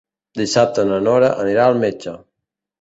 Dissabte na Nora anirà al metge.